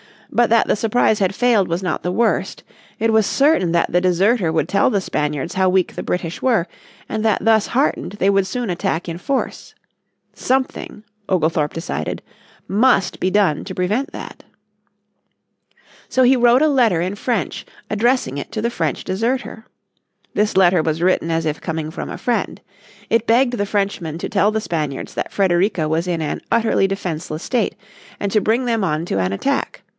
But that the surprise had failed was not the worst. It was certain that the deserter would tell the Spaniards how weak the British were, and that thus heartened they would soon attack in force. Something, Oglethorpe decided, must be done to prevent that. So he wrote a letter in French addressing it to the French deserter. This letter was written as if coming from a friend. It begged the Frenchman to tell the Spaniards that Frederica was in an utterly defenseless state, and to bring them on to an attack.